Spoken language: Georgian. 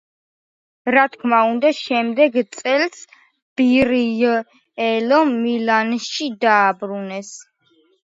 რა თქმა უნდა შემდეგ წელს ბორიელო მილანში დააბრუნეს.